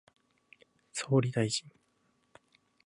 総理大臣